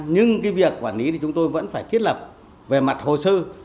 nhưng cái việc quản lý thì chúng tôi vẫn phải thiết lập về mặt hồ sơ